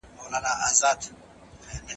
له غفلته چي يې واړه اولس لوټ سو